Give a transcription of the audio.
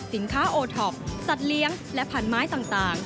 สินค้าโอท็ปสัตว์เลี้ยงและผันไม้ต่าง